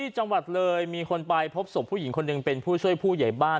จังหวัดเลยมีคนไปพบศพผู้หญิงคนหนึ่งเป็นผู้ช่วยผู้ใหญ่บ้าน